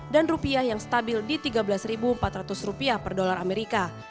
dan rupiah yang stabil di tiga belas empat ratus rupiah per dolar amerika